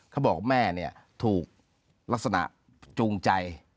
เค้าบอกแม่ถูกลักษณะจูงใจ